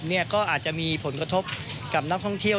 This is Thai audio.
ก็อาจจะมีผลกระทบกับนักท่องเที่ยว